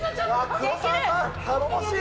黒沢さん、頼もしい。